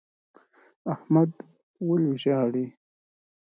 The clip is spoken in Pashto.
احمد ولي ژاړي؟